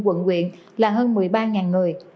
quận huyện là hơn một mươi ba người